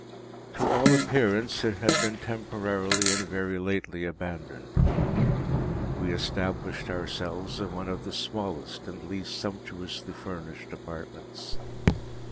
To all appearance it had been temporarily and very lately abandoned. We established ourselves in one of the smallest and least sumptuously furnished apartments.